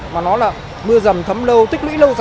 mà nó là mưa rầm thấm lâu tích lũy lâu dài